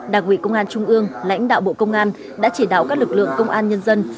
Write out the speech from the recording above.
đảng ủy công an trung ương lãnh đạo bộ công an đã chỉ đạo các lực lượng công an nhân dân